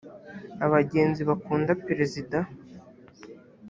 abagenzi bakunda perezida.